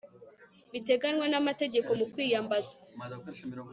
biteganywa n amategeko mu kwiyambaza